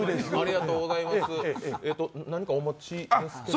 何かお持ちですけど。